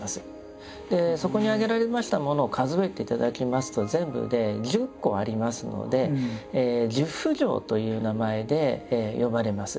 そこに挙げられましたものを数えて頂きますと全部で１０個ありますので「十不浄」という名前で呼ばれます。